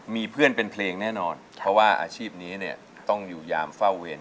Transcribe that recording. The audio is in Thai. มีเพื่อนเป็นเพลงแน่นอนเพราะว่าอาชีพนี้เนี่ยต้องอยู่ยามเฝ้าเวร